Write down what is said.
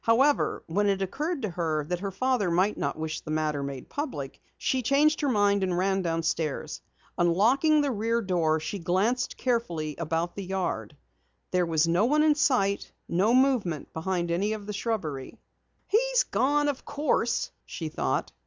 However, when it occurred to her that her father might not wish the matter made public, she changed her mind and ran downstairs. Unlocking the rear door, she glanced carefully about the yard. There was no one in sight, no movement behind any of the shrubbery. "He's gone, of course," she thought.